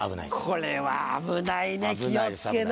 これは危ないね気を付けないと。